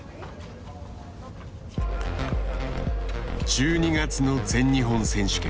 １２月の全日本選手権。